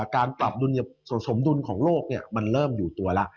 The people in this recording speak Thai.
การปรับดุลสมดุลของโลกมันเริ่มอยู่ตัวละ